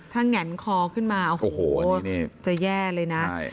ถ้างันคอขึ้นมาโอ้โหอันนี้นี่จะแย่เลยน่ะใช่